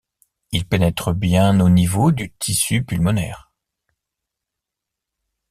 Il pénètre bien au niveau du tissu pulmonaire.